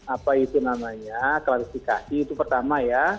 apa itu namanya klarifikasi itu pertama ya